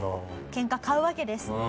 ケンカを買うわけです。